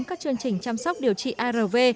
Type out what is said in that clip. các chương trình chăm sóc điều trị arv